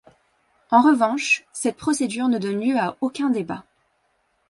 En revanche, cette procédure ne donne lieu à aucun débat.